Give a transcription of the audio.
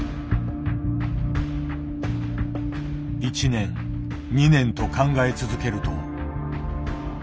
１年２年と考え続けると。